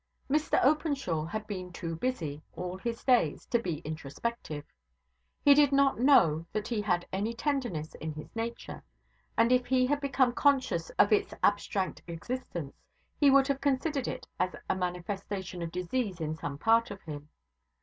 Mr Openshaw had been too busy, all his days, to be introspective. He did not know that he had any tenderness in his nature; and if he had become conscious of its abstract existence he would have considered it as a manifestation of disease in some part of him.